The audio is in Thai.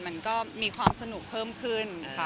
มันก็มีความสนุกเพิ่มขึ้นค่ะ